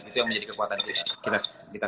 itu yang menjadi kekuatan kita semua gitu